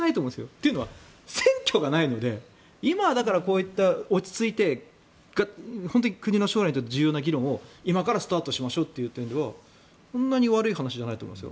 というのは選挙がないので今はだから、こういった落ち着いて本当に国の将来にとって重要な議論を今からスタートしましょうということはそんなに悪い話じゃないと思いますよ。